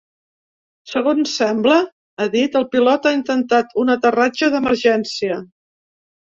Segons sembla, ha dit, el pilot ha intentat un aterratge d’emergència.